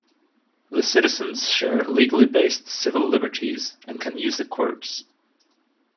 The citizens share legally based civil liberties and can use the courts.